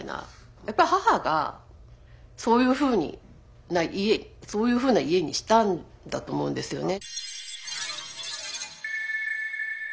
やっぱ母がそういうふうにそういうふうな家にしたんだと思うんですよね。